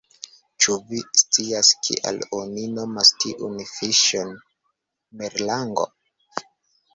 "Ĉu vi scias kial oni nomas tiun fiŝon merlango?"